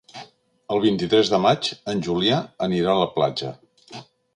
El vint-i-tres de maig en Julià anirà a la platja.